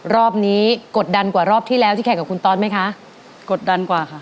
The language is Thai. รอบนี้กดดันกว่ารอบที่แล้วที่แข่งกับคุณตอสไหมคะกดดันกว่าค่ะ